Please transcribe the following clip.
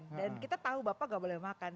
dan kita tahu bapak gak boleh makan